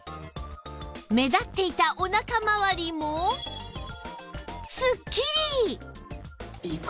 目立っていたおなかまわりもすっきり！